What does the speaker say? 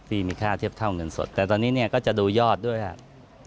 ปีมีค่าเทียบเท่าเงินสดแต่ตอนนี้เนี่ยก็จะดูยอดด้วยครับ